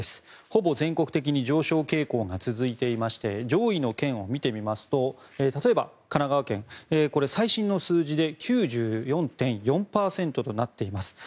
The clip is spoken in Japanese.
ほぼ全国的に上昇傾向が続いていまして上位の県を見てみますと例えば神奈川県これ、最新の数字で９４．４％となっています。